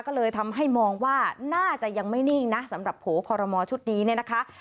ก็เลยทำให้มองว่าน่าจะยังไม่นิ่งนะสำหรับโผล่คอรมอชุดนี้เนี่ยนะคะ